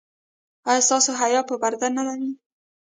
ایا ستاسو حیا به پرده نه وي؟